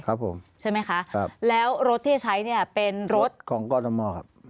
ครับผมใช่ไหมคะครับแล้วรถที่จะใช้เนี่ยเป็นรถของกรทมครับ